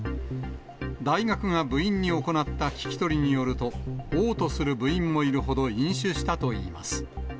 大学が部員に行った聞き取りによると、おう吐する部員もいるほど飲酒したといいます。